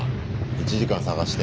１時間探して。